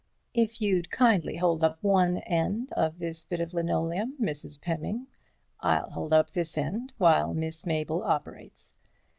"If you'd kindly hold one end of this bit of linoleum, Mrs. Pemming, I'll hold up this end while Miss Mabel operates.